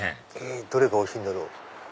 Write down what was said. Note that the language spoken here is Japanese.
どれがおいしいんだろう？